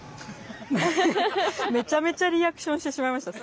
めちゃめちゃリアクションしてしまいました。